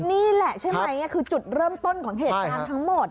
นี่แหละใช่ไหมคือจุดเริ่มต้นของเหตุการณ์ทั้งหมด